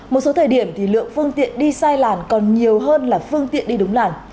một số thời điểm thì lượng phương tiện đi sai làn còn nhiều hơn là phương tiện đi đúng làn